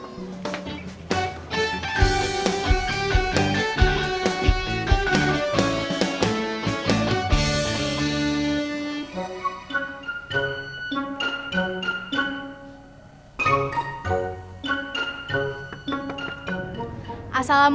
sebentar deh kang